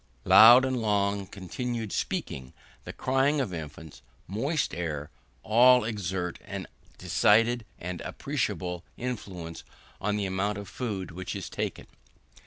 Loud and long continued speaking, the crying of infants, moist air, all exert a decided and appreciable influence on the amount of food which is taken.